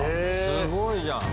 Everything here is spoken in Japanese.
すごいじゃん！